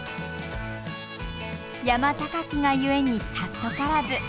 山高きが故に貴からず。